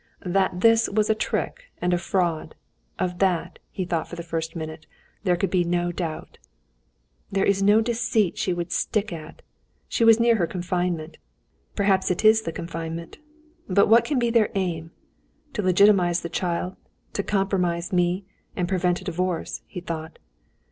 That this was a trick and a fraud, of that, he thought for the first minute, there could be no doubt. "There is no deceit she would stick at. She was near her confinement. Perhaps it is the confinement. But what can be their aim? To legitimize the child, to compromise me, and prevent a divorce," he thought.